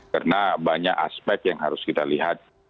karena banyak aspek yang harus kita lihat